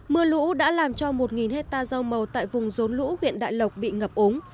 mưa lũ đã làm cho một hectare rau màu tại vùng rốn lũ huyện đại lộc bị ngập ống